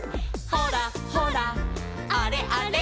「ほらほらあれあれ」